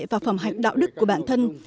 và phẩm hạch đạo đức của bản thân